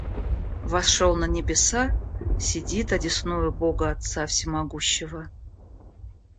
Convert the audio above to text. восшёл на небеса, сидит одесную Бога Отца всемогущего